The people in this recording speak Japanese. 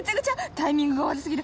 タイミングが悪すぎる！